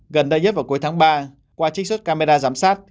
gần đây nhất vào cuối tháng ba qua trích xuất camera giám sát